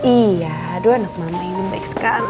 iya aduh anak mama ini baik sekali